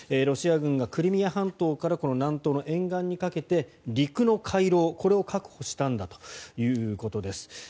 ロシア軍がクリミア半島から南東の沿岸にかけて陸の回廊、これを確保したんだということです。